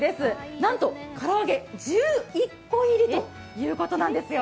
なんと唐揚げ１１個入りということなんですよ。